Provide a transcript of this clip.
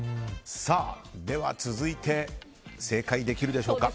では、続いて正解できるでしょうか。